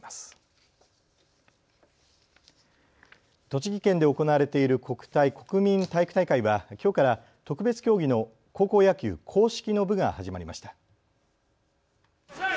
栃木県で行われている国体・国民体育大会はきょうから特別競技の高校野球硬式の部が始まりました。